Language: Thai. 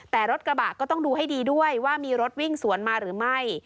แต่รถกระบะก็ต้องดูให้ดีด้วยว่ามีรถวิ่งสวนมาหรือไม่